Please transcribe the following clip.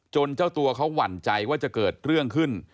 เจ้าตัวเขาหวั่นใจว่าจะเกิดเรื่องขึ้น